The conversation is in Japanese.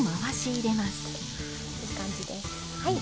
いい感じです。